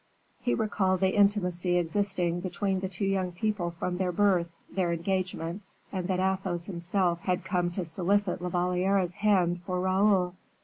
He recalled the intimacy existing between the two young people from their birth, their engagement, and that Athos himself had come to solicit La Valliere's hand for Raoul.